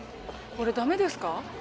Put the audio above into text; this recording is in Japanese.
これ駄目ですか？